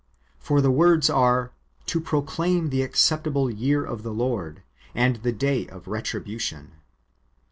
For the w^ords are, " to proclaim the acceptable year of the Lord, and the day of retribution."